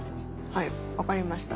はい分かりました。